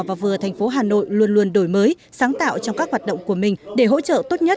và vừa thành phố hà nội luôn luôn đổi mới sáng tạo trong các hoạt động của mình để hỗ trợ tốt nhất